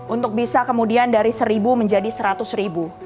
untuk bisa kemudian dari seribu menjadi seratus ribu